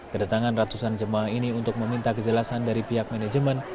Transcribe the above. kedatangan ratusan jemaah ini untuk meminta kejelasan dari pihak manajemen